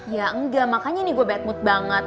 ya enggak makanya nih gue bad mood banget lo